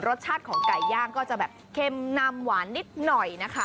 รสชาติของไก่ย่างก็จะแบบเค็มนำหวานนิดหน่อยนะคะ